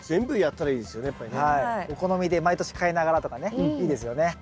お好みで毎年変えながらとかねいいですよね。